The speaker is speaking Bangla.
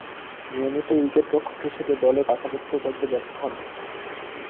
নিয়মিত উইকেট-রক্ষক হিসেবে দলে পাকাপোক্ত করতে ব্যর্থ হন।